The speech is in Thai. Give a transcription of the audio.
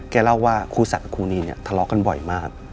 แกเล่าว่าครูสักกับครูนีทะเลาะกันบ่อยมาก